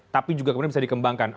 tapi juga kemudian bisa dikembangkan